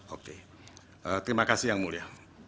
oke terima kasih yang mulia